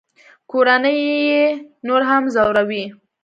کورنۍ یې نور هم ځوروي